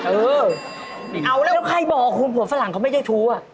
เอาละใครบอกคุณผู้ฝรั่งเขาไม่เจ็บทู